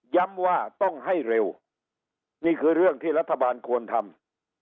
ย้ำว่าต้องให้เร็วนี่คือเรื่องที่รัฐบาลควรทำ